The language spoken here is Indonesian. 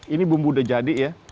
ini bumbu udah jadi ya